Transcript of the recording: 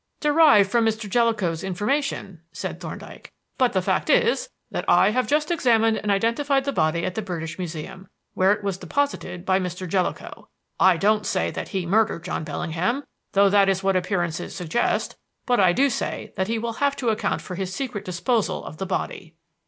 "Derived from Mr. Jellicoe's information," said Thorndyke. "But the fact is that I have just examined and identified the body at the British Museum, where it was deposited by Mr. Jellicoe. I don't say that he murdered John Bellingham though that is what appearances suggest but I do say that he will have to account for his secret disposal of the body."